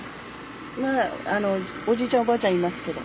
まああのおじいちゃんおばあちゃんいますけど。